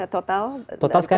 total sekarang itu sudah